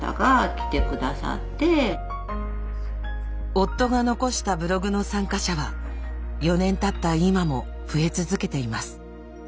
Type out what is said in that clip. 夫が残したブログの参加者は４年たった今も増え続けています。